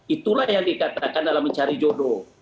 itulah yang dikatakan dalam mencari jodoh